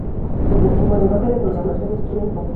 Como lenguaje de programación es Turing completo.